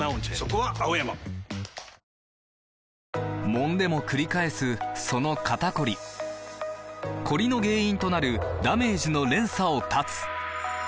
もんでもくり返すその肩こりコリの原因となるダメージの連鎖を断つ！